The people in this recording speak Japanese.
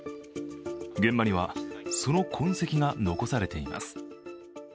現場には、その痕跡が残されています。